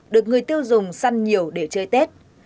được người tiêu dùng săn nhiều để chơi tết